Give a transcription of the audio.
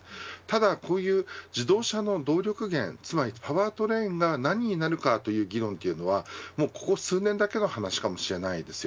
ただ、こういう自動車の動力源つまりパワートレインが何になるかがというのはここ数年だけの話かもしれません。